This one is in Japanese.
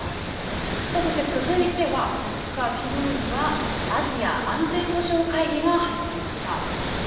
そして続いては、２日きのうには、アジア安全保障会議が始まりました。